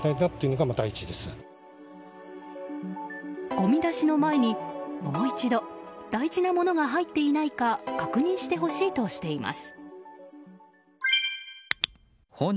ごみ出しの前に、もう一度大事なものが入っていないか確認してほしいとしています。